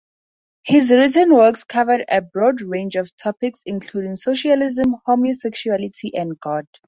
His written works covered a broad range of topics, including socialism, homosexuality, and God.